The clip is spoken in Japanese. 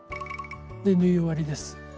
で縫い終わりです。